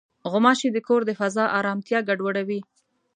غوماشې د کور د فضا ارامتیا ګډوډوي.